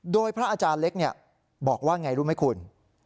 โดยพระอาจารย์เล็กบอกว่าไงรู้ไหมคุณ